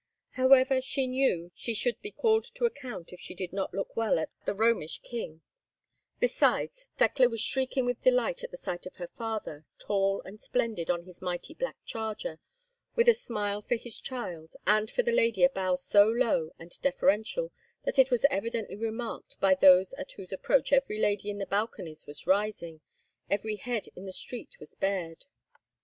However, she knew she should be called to account if she did not look well at "the Romish King;" besides, Thekla was shrieking with delight at the sight of her father, tall and splendid on his mighty black charger, with a smile for his child, and for the lady a bow so low and deferential that it was evidently remarked by those at whose approach every lady in the balconies was rising, every head in the street was bared.